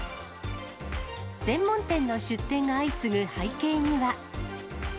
専門店の出店が相次ぐ背景には。